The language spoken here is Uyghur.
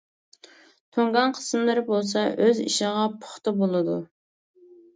تۇڭگان قىسىملىرى بولسا ئۆز «ئىشىغا» پۇختا بولىدۇ.